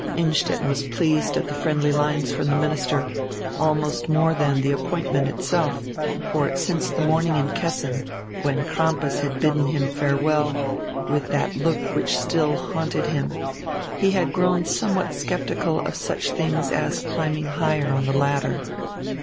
Innstetten was pleased at die friendly lines from die minister, almost more than at die appoint ment itself, for, since the morning in Kessin, when Crampas had bidden him farewell with diat look which still haunted him, he had grown somewhat sceptical of such tilings as climbing higher on die ladder.